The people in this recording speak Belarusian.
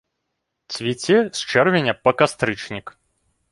Цвіце з чэрвеня па кастрычнік.